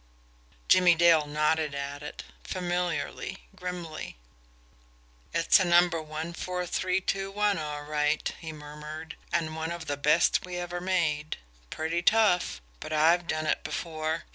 Jimmie Dale nodded at it familiarly, grimly. "It's number one four three two one, all right," he murmured. "And one of the best we ever made. Pretty tough. But I've done it before.